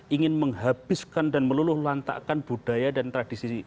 ingin menghabiskan dan meluluh lantakkan budaya dan tradisi